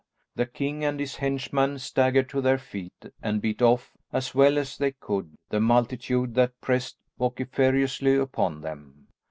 The king and his henchman staggered to their feet and beat off, as well as they could, the multitude that pressed vociferously upon them.